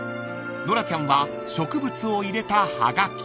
［ノラちゃんは植物を入れたはがき］